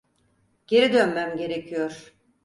Geri dönmem gerekiyor.